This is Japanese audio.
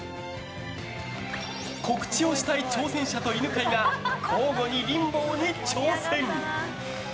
告知をしたい挑戦者と犬飼が交互にリンボーに挑戦。